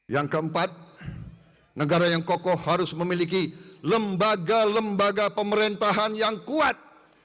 yang keempat negara yang kokoh harus memiliki lembaga lembaga pemerintahan yang kuat